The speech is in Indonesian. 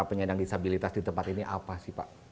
penyandang disabilitas di tempat ini apa sih pak